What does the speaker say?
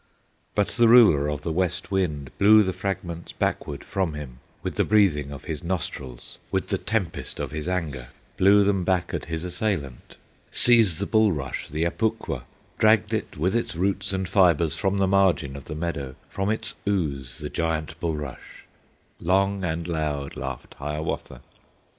But the ruler of the West Wind Blew the fragments backward from him, With the breathing of his nostrils, With the tempest of his anger, Blew them back at his assailant; Seized the bulrush, the Apukwa, Dragged it with its roots and fibres From the margin of the meadow, From its ooze the giant bulrush; Long and loud laughed Hiawatha!